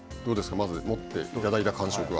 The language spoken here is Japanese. まず持っていただいた感触は。